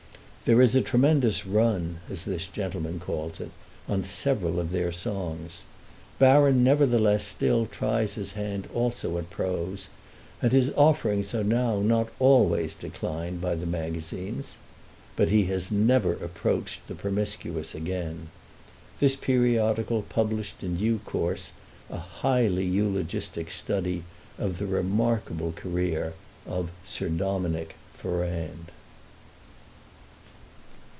There is a tremendous run, as this gentlemen calls it, on several of their songs. Baron nevertheless still tries his hand also at prose, and his offerings are now not always declined by the magazines. But he has never approached the Promiscuous again. This periodical published in due course a highly eulogistic study of the remarkable career of Sir Dominick Ferrand.